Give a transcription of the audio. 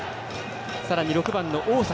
さらに６番の大崎。